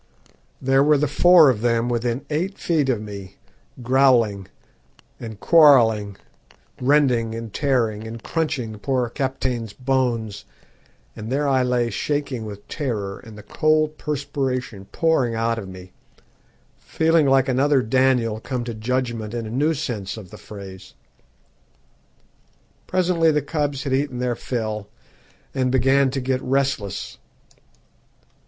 There were the four of them within eight feet of me, growling and quarrelling, rending and tearing, and crunching poor Kaptein's bones; and there I lay shaking with terror, and the cold perspiration pouring out of me, feeling like another Daniel come to judgment in a new sense of the phrase. Presently the cubs had eaten their fill, and began to get restless.